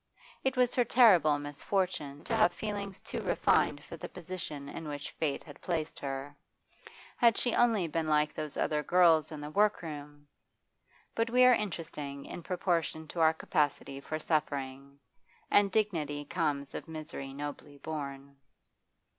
It was her terrible misfortune to have feelings too refined for the position in which fate had placed her. Had she only been like those other girls in the workroom! But we are interesting in proportion to our capacity for suffering, and dignity comes of misery nobly borne.